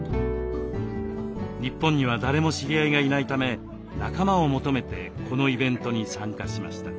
日本には誰も知り合いがいないため仲間を求めてこのイベントに参加しました。